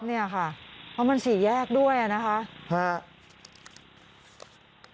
เนี่ยค่ะเพราะมันสี่แยกด้วยนะคะ